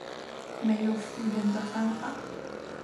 没有复原的方法